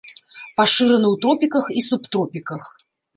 Пашыраны ў тропіках і субтропіках.